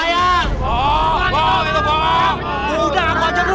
ya udah ngaku aja bu